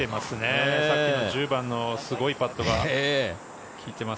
さっきの１０番のすごいパットが効いてます。